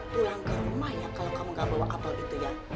pulang ke rumah ya kalau kamu gak bawa kapal itu ya